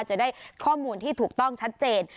จะได้ข้อมูลที่ถูกต้องชัดเจน